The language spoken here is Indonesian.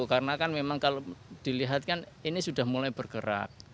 karena kan memang kalau dilihatkan ini sudah mulai bergerak